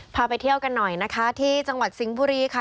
พาไปเที่ยวกันหน่อยนะคะที่จังหวัดสิงห์บุรีค่ะ